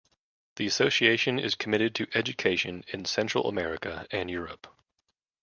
The association is committed to education in Central America and Europe.